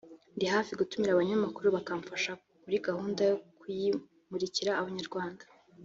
ndi hafi gutumira abanyamakuru bakamfasha muri gahunda yo kuyimurikira abanyarwanda